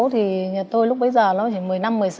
thì nhà tôi lúc bây giờ nó chỉ một mươi năm một mươi sáu